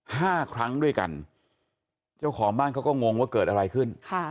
ห้าครั้งด้วยกันเจ้าของบ้านเขาก็งงว่าเกิดอะไรขึ้นค่ะ